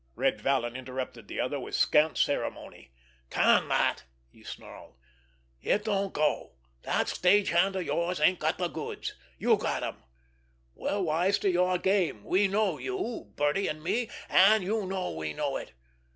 Red Vallon interrupted the other with scant ceremony. "Can that!" he snarled. "It don't go! That stagehand of yours ain't got the goods—you got 'em. We're wise to your game. We know you, Birdie and me, and you know we know it.